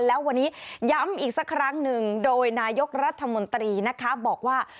แล้ววันนี้ย้ำอีกสักครั้งหนึ่งโดยนายกรัฐมนตรีนะคะบอกว่า